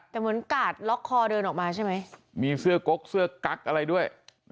แต่เหมือนกาดล็อกคอเดินออกมาใช่ไหมมีเสื้อก๊อกเสื้อกั๊กอะไรด้วย